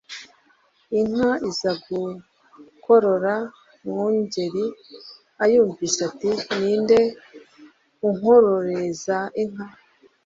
Inka iza gukorora Mwungeli ayumvise ati: "Ni nde unkororeza inka?"